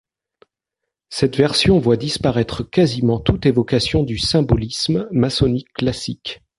Cette version voit disparaître quasiment toute évocation du symbolisme maçonnique classique.